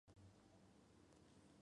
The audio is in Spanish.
Nada falta en la Feria de Melilla.